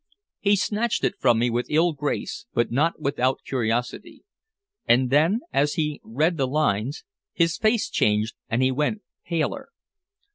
He snatched it from me with ill grace, but not without curiosity. And then, as he read the lines, his face changed and he went paler.